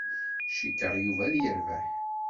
Cikkeɣ Yuba ad yerbeḥ.